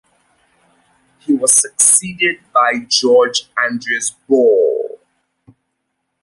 He was succeeded by Georg Andreas Bull.